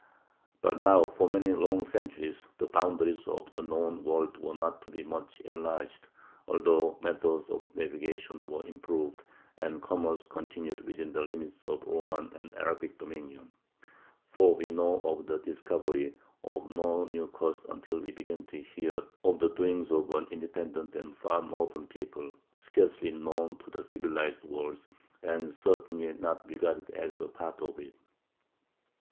But now for many long centuries the boundaries of the known world were not to be much enlarged (although methods of navigation were improved and commerce continued within the limits of Roman and Arabic dominion), for we know of the discovery of no new coasts until we begin to hear of the doings of an independent and far northern people, scarcely known to the civilized world, and certainly not regarded as a part of it.